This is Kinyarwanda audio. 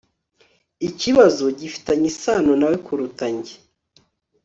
ikibazo gifitanye isano nawe kuruta njye